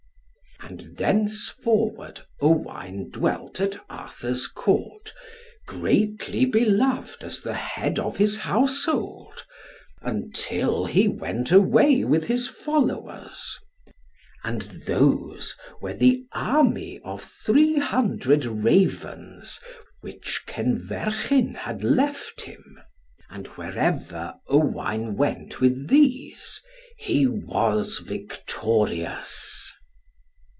And thenceforward Owain dwelt at Arthur's Court, greatly beloved as the head of his household, until he went away with his followers; and those were the army of three hundred ravens which Kenverchyn had left him. And wherever Owain went with these, he was victorious.